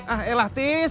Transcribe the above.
ah elah tis